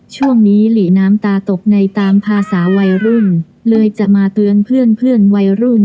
ช่วงนี้หลีน้ำตาตกในตามภาษาวัยรุ่นเลยจะมาเตือนเพื่อนเพื่อนวัยรุ่น